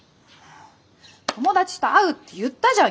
友達と会うって言ったじゃん